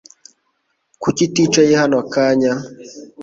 Kuki uticaye hano akanya?